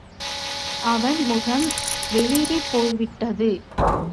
அவன் முகம் வெளிறிப் போய்விட்டது.